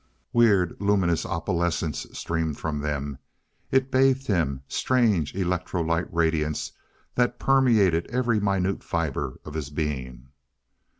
Weird luminous opalescence streamed from them it bathed him strange electrolite radiance that permeated every minute fibre of his being.